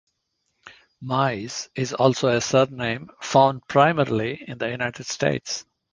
Mize is also a surname found primarily in the United States.